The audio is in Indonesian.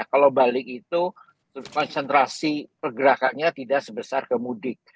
kalau balik itu konsentrasi pergerakannya tidak sebesar kemudik